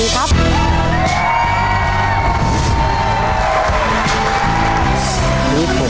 เกมต่อชีวิตลาไปก่อน